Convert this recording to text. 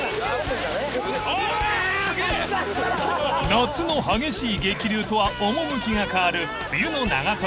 ［夏の激しい激流とは趣が変わる冬の長瀞］